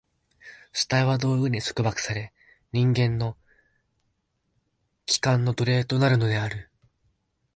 主体は道具に束縛され、人間は器官の奴隷となるのである。